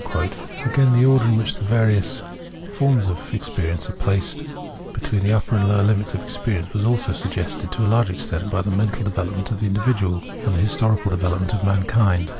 * Again, the order in which the various forms of ex perience are placed between the upper and lower Limits of experience was also suggested, to a large extent, by the mental development of the individual, and the historical development of mankind.